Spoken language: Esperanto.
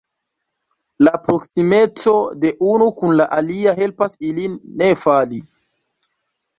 La proksimeco de unu kun la alia helpas ilin ne fali.